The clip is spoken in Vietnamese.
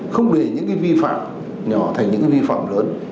không để những cái vi phạm nhỏ thành những vi phạm lớn